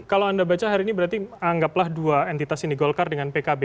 kalau anda baca hari ini berarti anggaplah dua entitas ini golkar dengan pkb